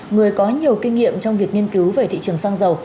người có nhiều kinh nghiệm trong việc nghiên cứu về thị trường xăng dầu